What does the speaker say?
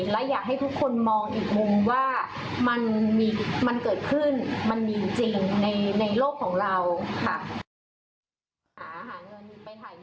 และอยากให้ทุกคนมองอีกมุมว่ามันเกิดขึ้นมันมีจริงในโลกของเราค่ะ